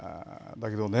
だけどね